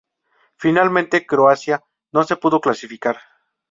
Finalmente, Croacia no se pudo clasificar.